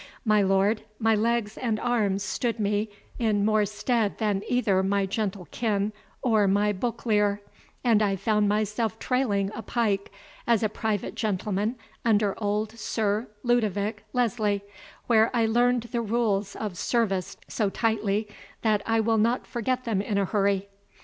My lord, my legs and arms stood me in more stead than either my gentle kin or my book lear, and I found myself trailing a pike as a private gentleman under old Sir Ludovick Leslie, where I learned the rules of service so tightly, that I will not forget them in a hurry.